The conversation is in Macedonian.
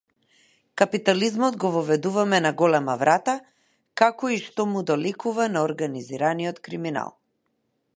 Капитализмот го воведуваме на голема врата, како и што му доликува на организираниот криминал.